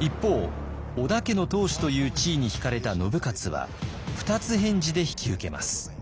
一方織田家の当主という地位に引かれた信雄は二つ返事で引き受けます。